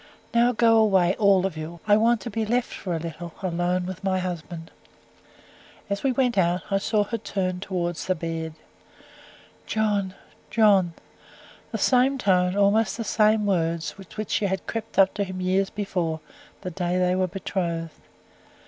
Now go away, all of you; I want to be left for a little, alone with my husband." As we went out, I saw her turn toward the bed "John, John!" The same tone, almost the same words, with which she had crept up to him years before, the day they were betrothed.